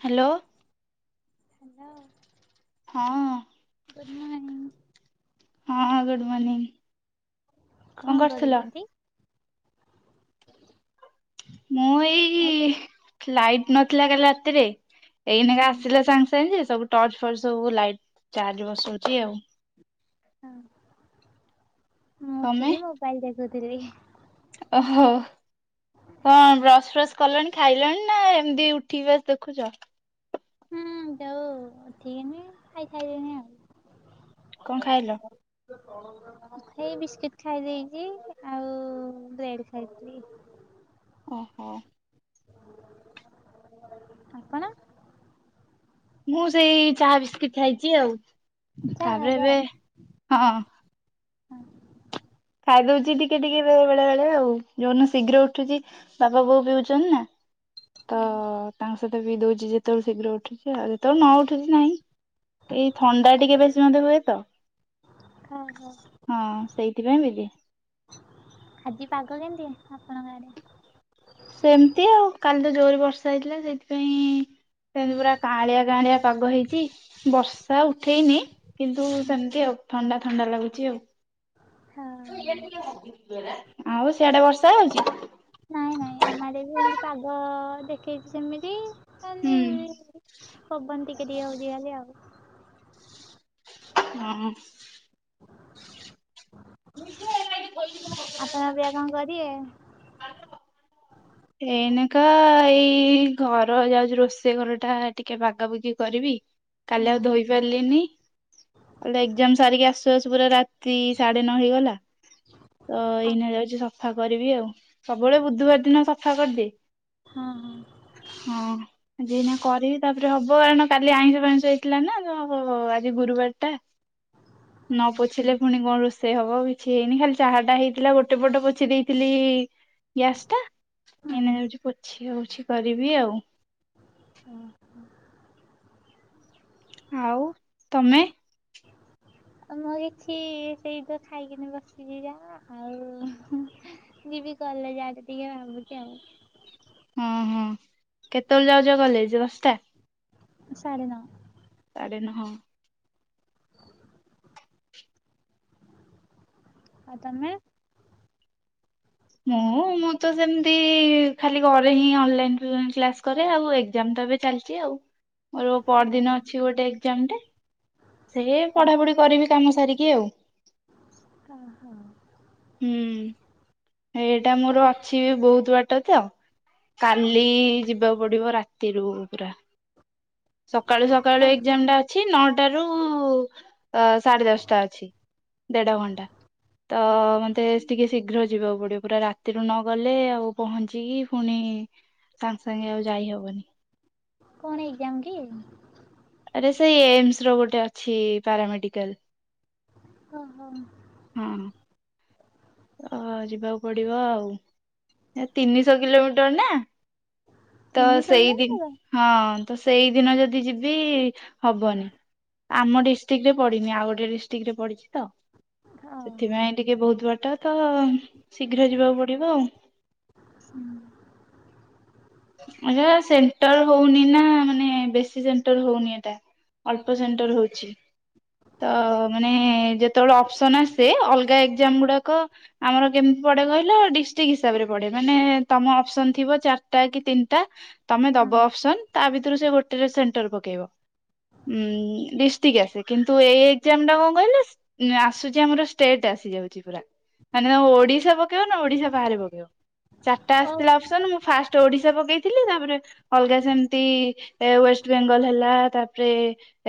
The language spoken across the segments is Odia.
ହ୍ୟାଲୋ ହ୍ୟାଲୋ ହଁ ଗୁଡ୍ ମର୍ଣ୍ଣିଂ ହଁ ଗୁଡ୍ ମର୍ଣିଙ୍ଗ କଣ କରୁଛନ୍ତି? [unintelligible] ମୁଁ ଏଇ କ୍ଲାଇଟ୍ ନଥିଲା କାଲି ରାତିରେ ଏଇନକା ଆସିଲେ ସାଙ୍ଗେ ସାଙ୍ଗେ ଯେ ସବୁ ଟର୍ଚ ଫର୍ଚ ସବୁ ଲାଇଟ୍ ଚାର୍ଜ ବସଉଛି ଆଉ ହଁ ତମେ ମୁଁଠିକି ମୋବାଇଲ ଦେଖୁଥିଲି। ଓହୋ କଣ ବ୍ରସ୍ ଫ୍ରସ୍ କଲେଣି ଖାଇଲଣି ନା ଏମିତି ଉଠିକି ବସ ଦେଖୁଛ ଦଉ ଉଠି କିନି ଏଇ ଖାଇଦନି ଆଉ କଣ ଖାଇଲ? ଏଇ ବିସ୍କୁଟ ଖାଇ ଦେଇଛି ଆଉ ବ୍ରେଡ ଖାଇଥିଲି ଓହୋ ଆପଣ ମୁଁ ସେଇ ଚାହା ବିସ୍କିଟ ଖାଇଛି ଆଉ ଚା ତାପରେ ଖାଉଛ? ଏବେ ହଁ ଖାଇଦଉଛି ଟିକେ ଟିକେଳେ ବେଳେ ବେଳେ ଆଉ ଯୋଉନ ଶୀଘ୍ର ଉଠୁଛି ବାବା ବୋଉ ବିି ହଉଛନ୍ତି ନା ତ ହଁ ତାଙ୍କ ସହିତ ବି ଦଉଛି ଯେତେବେଳୁ ଶୀଘ୍ର ଉଠୁଛି ଆଉ ଯେତେବେଳୁ ନ ଉଠୁଛି ନାହିଁ ଏଇ ଥଣ୍ଡା ଟିକେ ବେଶୀ ମଟେ ହୁଏ ତ ହଁ ହଁ ହଁ ସେଇଥିପାଇଁ ବିବି ଆଜି ପାଗ କେମିତି ଆପଣଙ୍କ ଆଡ଼େ? ସେମତି ଆଉ କାଲି ତ ଜୋରରେ ବର୍ଷା ହେଇଥିଲା ସେଇଥିପାଇଁ ସେମିତି ପୁରା କାଁଳିଆ କାଁଳିଆ ପାଗ ହେଇଚି ବର୍ଷା ଉଠେଇନି କିନ୍ତୁ ହଁ ସେମିତି ଆଉ ଥଣ୍ଡା ଥଣ୍ଡା ଲାଗୁଛି ଆଉ ଆଉ ସିଆଡେ ବର୍ଷା ହଉଛି ନାଇଁ ନାଇଁ ଆମ ଆଡେ ବି ଏମତି ପାଗ ଦେଖେଇଛି ସେମିତି ହୁଁ [unintelligible] ପବନ ଟିକେ ଟିକେ ହଉଚି ଖାଲି ଆଉ ହୁଁ [unintelligible] ଆପଣ ଅବିକା କଣ କରିବେ? ଆ ଏଇନକା ଏଇ ଘର ଯାଉଛି ରୋଷେଇ ଘର ଟା ଟିକେ ବାଗାବାଗି କରିବି କାଲି ହଁ ଆଉ ଧୋଇ ପାରିଲିନି କାଲି ଏଗ୍ଜାମ୍ ସାରିକି ଆସୁ ଆସୁ ପୁରା ରାତି ସାଢେ ନ ହେଇଗଲା ତ ହଁ ଏଇନା ଯାଉଛି ସଫା କରିବି ଆଉ ସବୁବେଳେ ବୁଧବାର ଦିନ ସଫା କରିଦିଏ ହଁ ହଁ ହଁ ଜି କରିବି ତାପରେ ହବ କାରଣ କାଲି ଆଇଁଷ ଫାଇଁଷ ହେଇଥିଲା ନା ଅ ତ ଆଜି ଗୁରୁବାର ଟା ହଁ ନ ପୋଛିଲେ ପୁଣି କଣ ରୋଷେଇ ହବ କିଛି ହେଇନି ଖାଲି ଚାହା ଟା ହେଇଥିଲା ଗୋଟେ ପଟ ପୋଛି ଦେଇଥିଲି ଗ୍ୟାସ ଟା ହୁଁ ଏଇନା ଯାଉଛି ପୋଛି ହଉଛି କରିବି ଆଉ ଓ ହୋ ଆଉ ତମେ ବଇଛି ସେଇଟ ଖାଇକିନି ବସିଛି ଯା ଆଉ ଯିବି କଲେଜ ଆଡେ ଟିକେ ଭାବୁଛି ଆଉ ହ ହ କେତେବେଳେ ଯାଉଛ କଲେଜ ଦଶଟା ସାଢେ ନଅ ସାଢେ ନହଅ ଆଉ ତୋମେ ମୁଁ ମୁଁ ତ ସେମିତି ଖାଲି ଘରେ ହିଁ ଅନଲାଇନ୍ କି-କ୍ଲାସ୍ କରେ ଆଉ ଏକ୍ଜାମ୍ ତ ଏବେ ଚାଲି ଚି ଆଉ ମୋର ଓହୋ। ପରଦିନ ଅଛି ଗୋଟେ ଏକ୍ଜାମ୍ ଟେ। ସେ ପଢାପଢି କରିବି କାମ ସାରିକି ଆଉ। କହ। ହୁଁ ଏଇଟା ମୋର ଅଛି ବହୁତ ବାଟ ତ। କାଲି ଯିବାକୁ ପଡିବ ରାତିରୁ ପୁରା। ସକାଳୁ ସକାଳୁ ଓହୋ ଏକ୍ଜାମ ଟା ଅ ଛି ନଅ ଟା ରୁ ଅ, ସାଢ଼େ ଦଶଟା ଅଛି ଦେଢ ଘଣ୍ଟା। ତ ମୋତେ ଟିକେ ଶୀଘ୍ର ଯିବାକୁ ପଡିବ। ପୁରା ରାତିରୁ ନଗଲେ ଆଉ ପହଞ୍ଚିକି ପୁଣି ସାଙ୍ଗେ ସାଙ୍ଗେ ଆଉ ଯାଇ ହବନି। କଣ ଏଗ୍ଜାମ୍ କି? ଆରେ ସେଇ ଏମ୍ସ୍ ର ଗୋଟେ ଅଛି ପାରାମେଡିକାଲ୍। ଓ ହଁ। ହଁ। ଓ ଯିବାକୁ ପଡିବ ଆଉ ଏ ତିନିଶହ କିଲୋମିଟର୍ ନା। ତ ତିନି ସେଇ ସରିଲାଣି ଦିନ୍ ତୋର? ହଁ ତ ସେଇଦିନ ଯଦି ଯିବି ହବନି। ଆମ ଡିଷ୍ଟ୍ରିକ୍ ରେ ପଡିନି ଆଉ ଗୋଟେ ଡିଷ୍ଟ୍ରିକ୍ ରେ ପଡିଛି ତ। ହଁ। ସେଥିପାଇଁ ଟିକେ ବହୁତ ବାଟ ତ ଶୀଘ୍ର ଯିବାକୁ ପଡିବ। ଆଙ୍କର ସେଣ୍ଟର୍ ହଉନି ନା ମାନେ ବେଶୀ ସେଣ୍ଟର୍ ହଉନି ଏଟା। ଅଳ୍ପ ସେଣ୍ଟର୍ ହଉଛି। ତ ମାନେ ଯେତେବେଳେ ଅପସନ୍ ଆସେ ଅଲଗା ଏକ୍ଜାମ୍ ଗୁଡାକ ଆମର କେମତି ପଡେ କହିଲ ଡିଷ୍ଟ୍ରିକ୍ଟ ହିସାବରେ ପଡେ। ମାନେ ତୋମ ଅପସନ୍ ଥିବ ଚା ଟା କି ତିନିଟା ତୋମେ ହଁ ଦବ ଅପସନ୍ ତା ଭିତରୁ ସେ ଗୋଟେରେ ସେଣ୍ଟର ପକେଇବ। ଉଁ, ଡିଷ୍ଟ୍ରିକ୍ ଆସେ କିନ୍ତୁ ଏଇ ଏକ୍ଜାମ୍ ଟା କଣ କହିଲ ଆସୁଚି ଆମର ଷ୍ଟେଟ ଆସିଯାଉଚି ପୁରା। ମାନେ ତୋମେ ଓଡିଶା ପକେଇବ ନା ଓଡିଶା ବାହାରେ ପକେଇବ ଚାଟା ଓ ଆସିଥିଲା ଅପସନ୍। ମୁଁ ଫାଷ୍ ତ ଓଡିଶା ପକେଇଥିଲି। ତାପରେ ଅଲଗା ସେମିତି ଏ ୱେଷ୍ଟବେଙ୍ଗଶ ହେଲା ତାପରେ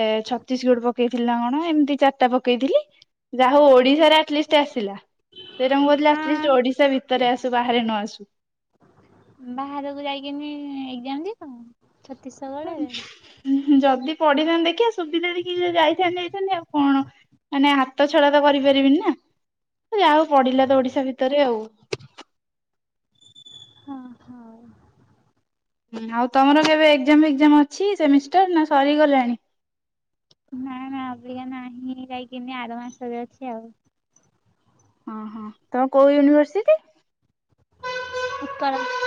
ଏ ଛତିଶଗଡ ପକେଇଥିଲି ନା କଣ ଏମିତି ଚାରଟା ପକେଇଥିଲି। ଯାହା ହଉ ଓଡିଶାରେ ଆଟଲିଷ୍ଟ ଆସିଲା। ତ ଏଇଟା ମୁଁ କହୁଥିଲି ଆଟଲିଷ୍ଟ ହଁ ଓଡିଶା ଭିତରେ ଆସୁ ବାହାରେ ନ ଆସୁ। ବାହାରକୁ ଯାଇକିନି ଏକ୍ଜାମ୍ ଦେଇଥା ଛତିଶଗଡରେ। ଯଦି ପଢିଥାଆନ୍ତି ଦେଖିଆ ସୁବିଧା ଦେଖିକି ଯଦି ଯାଇଥାନ୍ତି ଯାଇଥାନ୍ତି ଆଉ କଣ। ମାନେ ହାତ ଛଡା ତ କରିପାରିବିନି ନା ଯା ହଉ ପଢିଲା ତ ଓଡିଶା ଭିତରେ ଆଉ। ହଁ, ହଁ। ଆଉ ତୋମର କେବେ ଏକ୍ଜାମ୍ ଫେକ୍ଜାମ ଅଛି ସେମିଷ୍ଟାର୍ ନା ସରିଗଲାଣି? ନା ନା ଅବିକା ନାହିଁ ଯାଇକିନି ଆର ମାସରେ ଅଛି ଆଉ। ଅଁ, ହଁ ତୋମ କୋଉ ୟୁନିଭର୍ସିଟି? [unintelligible]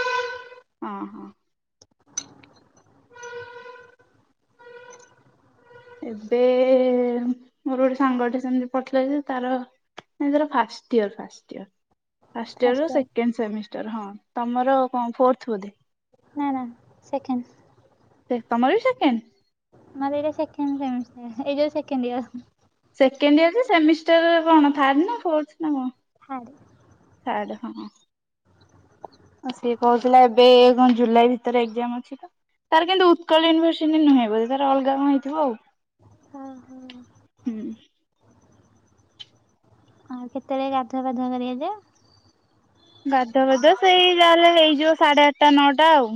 ଅଁ, ହଁ। ଏବେ ମୋର ଗୋଟେ ସାଙ୍ଗଟେ ସେମିତି ପଡିଥିଲା ଯେ ତାର ନାଇଁ ତାର first year first year. First year ର ସେକେଣ୍ଡ ସେମିଷ୍ଟାର୍ ହଁ। ତୋମର କଣ ଫୋର୍ଥ ବୋଧେ? ନା ନା ସେକେଣ୍ଡ। ସେ ତୋମର ବି ସେକେଣ୍ଡ। ମୋର ଏଇଟା ସେକେଣ୍ଡ ସେମିଷ୍ଟାର ଏଇ ଯୋଉ second year. Second year semester ରେ କଣ ଥାର୍ଡ ନା ଫୋର୍ଥ ନା କଣ? ଥାର୍ଡ ଥାର୍ଡ ହଁ। ସିଏ କହୁଥିଲା ଏବେ କଣ ଜୁଲାଇ ଭିତରେ ଏଜାମ ଅଛି ତ ତାର କିନ୍ତୁ ଉତ୍କଳ ୟୁନିର୍ସି ନୁହେଁ ଯ ତାର ଅଲଗା କଣ ହେଇଥିବ ଆଉ। ହୁଁ। ଆଉ କେତେବେଳେ ଗାଧୁଆ ପାଧୁଆ କରିବା ଯୋଏ ଗାଧୁଆ ପାଧୁଆ ସେଇ ଯାହା ହେଲେ ହେଇଯିବ ସାଢେ ଆଠଟା ନଅଟା ଆଉ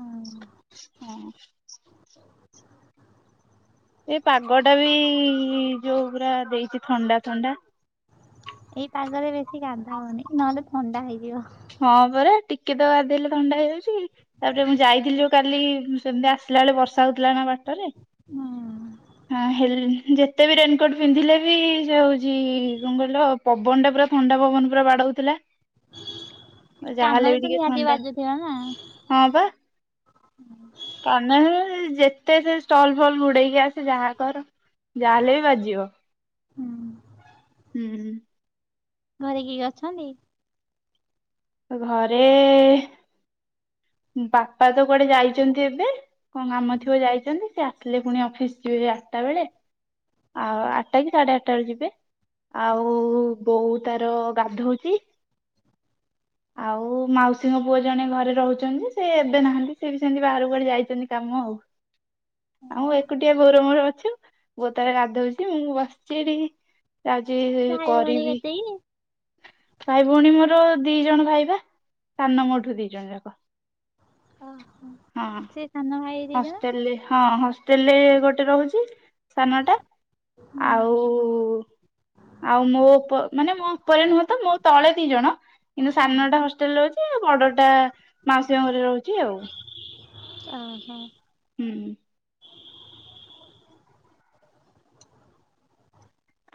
ଆଉ ହଁ। ଏ ପାଗଟା ବି ଯୋଉ ପୁରା ଦେଇଛି ଥଣ୍ଡା ଥଣ୍ଡା। ଏଇ ପାଗରେ ବେଶୀ କାନ୍ଦା ହଉନି ନହେଲେ ଥଣ୍ଡା ହେଇଯିବ। ହଁ ପରା ଟିକେ ତ ଗାଧେଇଲେ ଥଣ୍ଡା ହେଇଯାଉଛି। ତାପରେ ମୁଁ ଯାଇଥିଲି ଯୋଉ କାଲି ସେମିତି ଆସିଲା ବେଳେ ବର୍ଷା ହଉଥିଲା ନା ବାଟରେ। ହୁଁ। ହଁ ହେଲେ ଯେତେ ବି ରେନକୋଟ ପିନ୍ଧିଲେ ବି ଯେ ହଉଛି କଣ କହିଲ ପବନ ଟା ପୁରା ଥଣ୍ଡା ପବନ ପୁରା ବାଡଉଥିଲା। ଯାହାହେଲେ ବି କାନରେ ତ ଟିକେ ନିହାତି ଥଣ୍ଡା ବାଜୁଥିବ ନା ହୁଁ ହଁ ବା। ଯେତେ ସେ ଷ୍ଟଲ ଫଲ ଘୁଡେଇକି ଆସେ ଯାହା କର ଯାହାହେଲେ ବି ବାଜିବ ହୁଁ ହୁଁ। ଘରେ କିଏ କିଏ ଅଛନ୍ତି? ଘରେ ବାପା ତ କୁଆଡେ ଯାଇଛନ୍ତି ଏବେ। କଣ କାମ ଥିବ ଯାଇଛନ୍ତି ସେ ଆସିଲେ ପୁଣି ଅଫିସ ଯିବେ ଆଠଟା ବେଳେ। ଆଉ ଆଠଟା କି ସାଢ଼େ ଆଠଟା ବେଳ ଯିବେ। ଆଉ ବୋଉ ତାର ଗାଧଉଚି। [inaudible] ମାଉସୀଙ୍କ ପୁଅ ଜଣେ ଘରେ ରହୁଛନ୍ତି ସେ ଏବେ ନାହାନ୍ତି ସେବି ସେମିତି ବାହାର କୁୁଆଡେ ଯାଇଛନ୍ତି କାମ ଆଉ। [inaudible] ଆଉ ଏକୁଟିଆ ବୋର ମୋର ଅଛୁ ବୋ ତାର ଗାଧଉଛି ମୁଁ ବସିଛି ଏଠିକି ଆଜି ଭାଇ ଭଉଣୀ କରିବି କେତେକି ଭାଇ ଭଉଣୀ ମୋର ଦି ଜଣ ଭାଇବା ସାନ ମୋ ଠୁ ଦି ଜଣ ଯାକ। ଓ ହୋ। ହଁ ହଷ୍ଟେଲରେ ହଁ ହଷ୍ଟେଲରେ ଗୋଟେ ରହୁଛି। ସାନଟା ଆଉ। ଆଉ ଆଉ ମୋ ଉପ ମାନେ ମୋ ଉପରେ ନୁହଁ ତ ମୁୋ ତଳେ ଦି ଜଣ କିନ୍ତୁ ହୁଁ ସାନଟା ହଷ୍ଟେଲ ରହୁଛି ଆଉ ବଡଟା ମାଉସୀ ଘରେ ରହୁଛି ଆଉ। ଓ ହୋ। ହୁଁ ହୁଁ।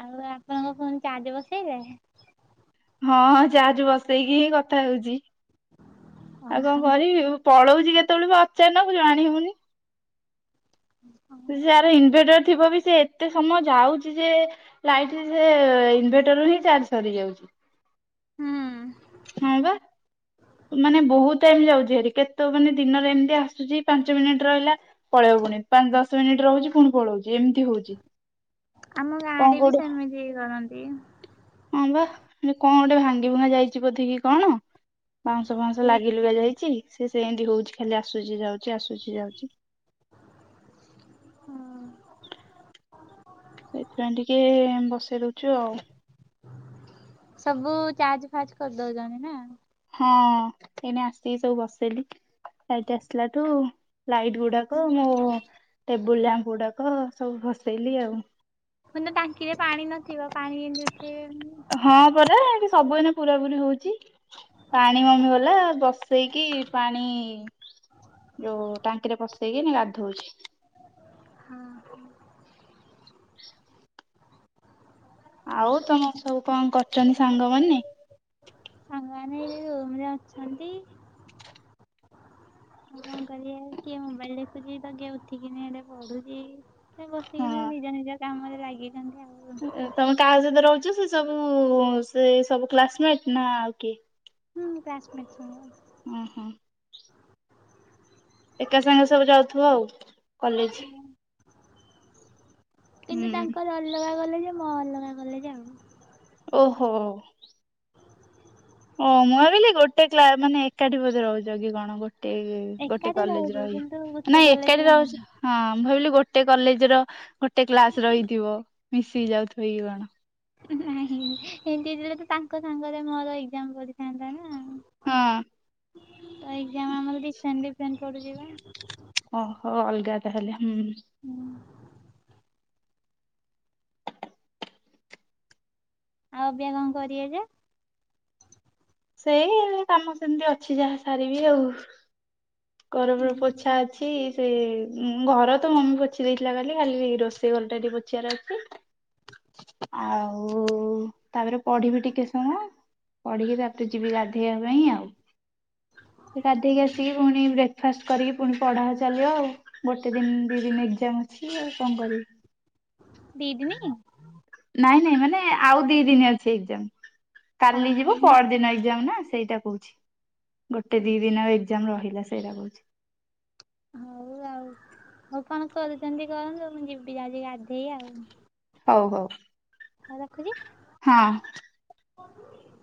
ଆଉ ଆପଣଙ୍କ ଫୁଣି ଚାଜ ବସେଇବେ। ହଁ ଜାହାଜ ବସେଇକି ହିଁ କଥା ହଉଛି ଆଉ ହୁଁ କଣ କରିବି? ପଳଉଛି କେତେବେଳେ ବି ପଚାରି ନବୁ ଜାଣି ହଉନି। ଯାର ଇନଭେଟର ଥିବ ବି ସେ ଏତେ ସମୟ ଯାଉଛି ଯେ ଲାଇଟ ସେ ଇନଭଟରୁ ହିଁ ଚାର୍ଜ ସ ଯାଉଛି। ହଁ ପା। ମାନେ ବହୁତ ଟାଇମ ଯାଉଛି ଆରି କେତେ ମାନେ ଦିନରେ ଏମିତି ଆସୁଛି ପାଞ୍ଚ ମିନିଟ ରହିଲା। ପଳେଇବୁନି ପାଞ୍ଚ ଦଶ ମିନିଟ ରହୁଛି ପୁଣି ପଳଉଛି ଏମିତି ହଉଛି। ଆମ କଣ ଗାଁରେ ବି କୋଉଠୁ ସେମିତି ହେଇ କରନ୍ତି। ହଁ ବା କଣ ଗୋଟେ ଭାଙ୍ଗି ଭୁଙ୍ଗା ଯାଇଛି ବୋଧିକି କଣ? ବାଉଁଶ ଫାଉଁଶ ଲାଗି ସେଇଠି ଲୁଗା ଯାଇଛି ସେ ସେମିତି ହଉଛି ଖାଲି ଆସୁଛି ଯାଉଛି ଆସୁଛି ଯାଉଛି। ହୁଁ। ସେଇଥିପାଇଁ ଟିକେ ବସେଇ ଦଉଛୁ ଆଉ। ସବୁ ଚାାର୍ଜ ଫାଜ କରିଦଉଛନ୍ତି ନା। ହଁ ଏଇନେ ଆସିକି ସବୁ ବସେଇଲିି। ଲାଇଟ ଆସିଲାଠୁ ଲାଇଟ ଗୁଡାକ ମୋ ଟେବୁଲ ଲ୍ୟାମ୍ପ ଗୁଡ଼ାକ ସବୁ ଭସେଇଲି ଆଉ। ମାନେ ଟାଙ୍କିରେ ପାଣି ନଥିବ ପାଣି ଏଇନେ ଉଠେ ହଁ ପରା ଏଠି ସବୁ ଏଇନେ ପୁରା ପୁରି ହଉଚି। ପାଣି ମମି ଗଲା ବ ପଷେଇକି ପାଣି ଯୋଉ ଟାଙ୍କିରେ ପସେଇକି ଏଇନେ ଗାଧଉଚି। ହଁ। [inaudible] ଆଉ ତମର ସବୁ କଣ କରୁଛନ୍ତି ସାଙ୍ଗମାନେ? ସାଙ୍ଗ ମାନେ ଏଇ ଯୋଉ ରୁମ୍ ରେ ଅଛନ୍ତି। ଆଉ କଣ କରିବେ କିଏ ମୋବାଇଲ ଦେଖୁଚି ତ କିଏ ଉଠିକିନି ଏଠେ ପଢୁଚି। ସେ ବସିକି ବି ନିଜ ନିଜ କାମ ରେ ଲାଗିଛନ୍ତି ଆଉ। ତମେ କାହା ସହିତ ରହୁଚ ସେ ସବୁ ସେ ସବୁ କ୍ଲାସମେଟ ନା ଆଉ କିଏ? ହୁଁ କ୍ଲାସ୍ ମେଟ୍ ସବୁ। ଉଁ ହୁଁ। ଏକା ସାଙ୍ଗେ ରେ ସବୁ ଯାଉଥିବ ଆଉ କଲେଜ। କିନ୍ତୁ ହୁଁ। ତାଙ୍କର ଅଲଗା କଲେଜ୍ ମୋର ଅଲଗା କଲେଜ୍ ଆଉ। ଓହୋ। ଓ ମୁଁ ଭାବିଲି ଗୋଟେ କ୍ଲା ମାନେ ଏକାଠି ବଧେ ରହୁଚ କି କଣ ଗୋଟେ ଇଏ। ଗୋଟେ ଏକାଠି କଲେଜ ରହୁଛୁ ରହି, କିନ୍ତୁ ଗୋଟେ ନାଇଁ ଏକାଠି ରେ ରହୁ ନୁହଁ। ହଁ ମୁଁ ଭାବିଲି ଗୋଟେ କଲେଜ ର ଗୋଟେ କ୍ଲାସ ର ହେଇଥିବ। ମିଶିକି ଯାଉଥିବେ କି କଣ? ନାହିଁ। ହେମିତି ହେଇଥିଲେ ତ ତାଙ୍କ ସାଙ୍ଗରେ ମୋର ଏଜ୍ଜାମ୍ ପଡିଥାନ୍ତା ନା। ହଁ। ତ ଏଜ୍ଜାମ୍ ଆମର ଡିଫ୍ରେଣ୍ଟ ଡିଫରେଣ୍ଟ ପଡୁଚି ପା। ଓହୋ ଅଲଗା ତାହେଲେ ହୁଁ। [inaudible] ଆଉ ଅବିକା କଣ କରିବ ଯେ? ସେଇ କାମ ସେମିତି ଅଛି ଯାହା ସାରିବି ଆଉ। ଘର ଫର ପୋଛା ଅଛି। ସେ ଘର ତ ମମି ପୋଛି ଦେଇଥିଲା କାଲି ଖାଲି ରୋଷେଇ ଘର ଟା ଟିକେ ପୋ। [unintelligible] ଆଉ ତାପରେ ପଢିବି ଟିକେ ସମୟ ପଢିକି ତାପରେ ଏବେ ଯିବି ଗାଧେଇବା ପାଇଁ ଆଉ। ଗାଧେଇକି ଆସିକି ପୁଣି ବ୍ରେ ବ୍ରେକଫାଷ୍ଟ କରିକି ପୁଣି ପଢ଼ା ଚାଲିବ ଆଉ। ଗୋଟେ ଦିନ ଦି ଦିନ ଏକ୍ଜାମ ଅଛି ଆଉ କଣ କରିବି। ଦି ଦିନି। ନାଇଁ ନାଇଁ ମାନେ ଆଉ ଦି ଦିନି ଅଛି ଏଜ୍ଜାମ୍। କାଲି ଓହୋ ଯିବ ହଉ ପଅର ଦିନ ଏକ୍ଜାମ ନା ସେଇଟା କହୁଚି। ଗୋଟେ ଦି ଦିନ ଆଉ ଏଜ୍ଜାମ ରହିଲା ସେଇଟା କହୁଚି। ହଉ ଆଉ। ହଉ କଣ କରୁଛନ୍ତି କରନ୍ତୁ ମୁ ଯିବି ଯାଉଚି ଗାଧେଇ ଆଉ। ହଉ ହଉ। ହଉ ରଖୁଚି। ହଁ। [inaudible]